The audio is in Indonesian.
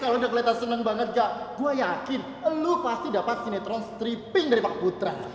kalau udah kelihatan seneng banget gak gue yakin lo pasti dapat sinetron stripping dari pak putra